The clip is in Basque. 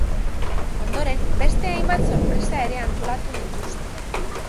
Ondoren, beste hainbat sorpresa ere antolatu dituzte.